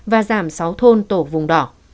và giảm sáu thôn tổ vùng đỏ